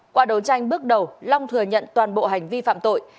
qua đấu tranh bước đầu long thừa nhận toàn bộ hành vi phạm tội